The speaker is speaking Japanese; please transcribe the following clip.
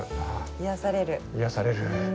癒やされる。